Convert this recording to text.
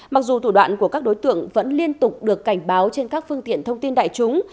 mặc dù thủ đoạn của các đối tượng vẫn liên tục được cảnh báo trên các phương tiện thông tin đại chúng